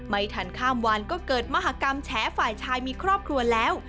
ไม่ทันข้ามวันก็เกิดมหากรรมแฉฝ่ายชายมีครอบครัวแล้ว